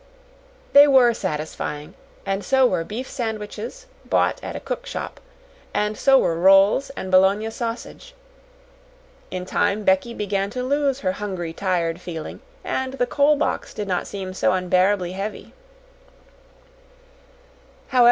They were satisfying and so were beef sandwiches, bought at a cook shop and so were rolls and Bologna sausage. In time, Becky began to lose her hungry, tired feeling, and the coal box did not seem so unbearably heavy.